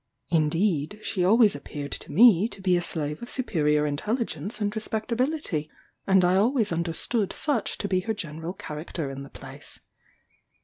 Indeed, she always appeared to me to be a slave of superior intelligence and respectability; and I always understood such to be her general character in the place.